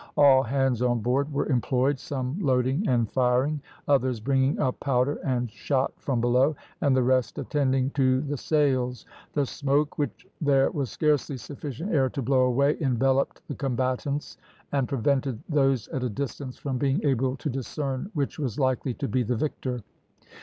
All hands on board were employed, some loading and firing, others bringing up powder and shot from below, and the rest attending to the sails. The smoke, which there was scarcely sufficient air to blow away, enveloped the combatants, and prevented those at a distance from being able to discern which was likely to be the victor.